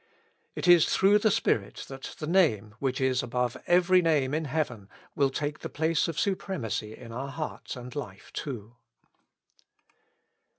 It is through the Spirit that the Name, which is above every name in heaven, will take the place of supremacy in our hearts and life, too.